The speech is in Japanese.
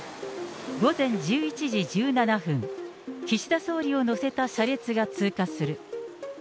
午前１１時１７分、岸田総理を乗せた車列が通過する。